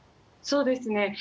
そうですね。